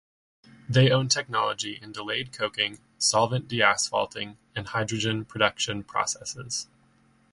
They own technology in delayed coking, solvent de-asphalting, and hydrogen production processes.